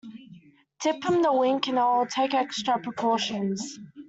Tip them the wink, and they’ll take extra precautions.